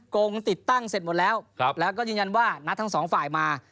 กงติดตั้งเสร็จหมดแล้วแล้วก็ยืนยันว่านัดทั้งสองฝ่ายมา